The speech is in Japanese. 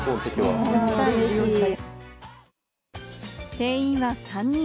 定員は３人。